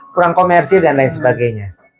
kurang komersil dan lain sebagainya